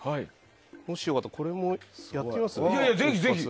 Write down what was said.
もし良かったらこれもやってみます？